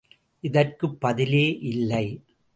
இதற்குப் பதிலே இல்லை!